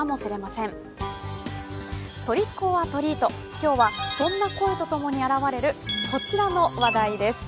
今日はそんな声とともに現れるこちらの話題です。